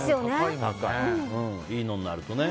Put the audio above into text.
いいのになるとね。